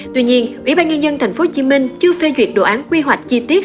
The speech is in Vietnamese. tuy nhiên ubnd tp hcm chưa phê duyệt đồ án quy hoạch chi tiết